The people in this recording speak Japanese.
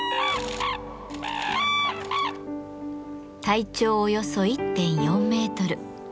体長およそ１．４メートル。